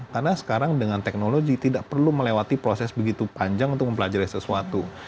karena sekarang dengan technology tidak perlu melewati proses begitu panjang untuk mempelajari sesuatu